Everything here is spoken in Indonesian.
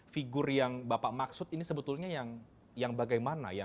figur yang bapak maksud ini sebetulnya yang bagaimana ya